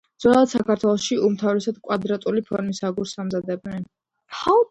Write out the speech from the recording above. ძველად საქართველოში უმთავრესად კვადრატული ფორმის აგურს ამზადებდნენ.